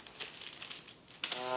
ああ。